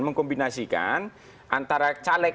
mengkombinasikan antara caleg